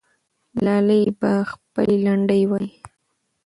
ملالۍ به خپلې لنډۍ وایي.